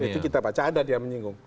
yang pada itu kita baca ada yang menyinggung